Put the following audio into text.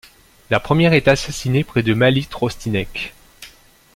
La première est assassinée près de Malý Trostinec.